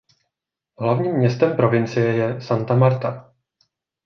Hlavním městem provincie je Santa Marta.